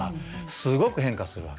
すごく変化するわけ。